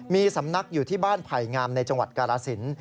มีสำนักอยู่ที่บ้านไผ่งามในจังหวัดกาลสิน